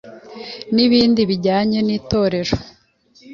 N’ibindi bijyanye nitorero